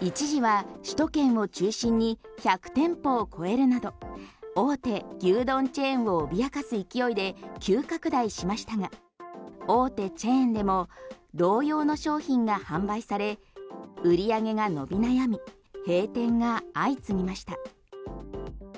一時は首都圏を中心に１００店舗を超えるなど大手牛丼チェーンを脅かす勢いで急拡大しましたが大手チェーンでも同様の商品が販売され売り上げが伸び悩み閉店が相次ぎました。